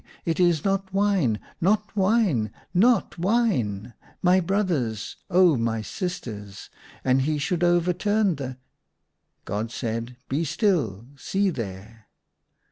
it is not wine, not wine ! not wine ! My brothers, oh, my sisters —!' and he should overturn the " God said, " Be still !, see there."